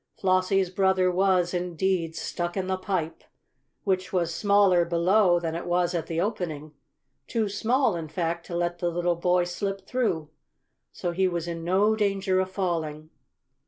Flossie's brother was, indeed, stuck in the pipe, which was smaller below than it was at the opening too small, in fact, to let the little boy slip through. So he was in no danger of falling.